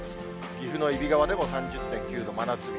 岐阜の揖斐川でも３０．９度、真夏日。